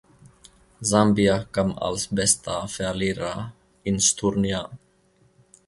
Sambia kam als bester Verlierer ins Turnier.